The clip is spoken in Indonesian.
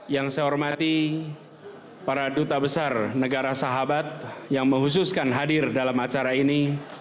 yang saya hormati para duta besar negara sahabat yang menghususkan hadir dalam acara ini